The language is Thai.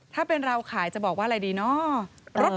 ถ้าเป็นเราขายจะบอกว่าอะไรดีเนาะ